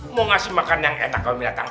mau ngasih makan yang enak kalau binatang